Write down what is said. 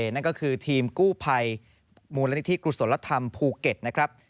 นั่นก็คือทีมกู้ภัยมูลนิธิกุศลธรรมภูเก็ตนะครับ